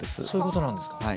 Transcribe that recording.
そういうことなんですか。